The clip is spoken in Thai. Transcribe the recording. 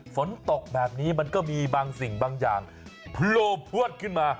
ฝนตกแบบนี้มันก็มีบางสิ่งบางอย่างโพลพวดขึ้นมา